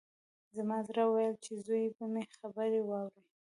زما زړه ویل چې زوی به مې خبرې واوري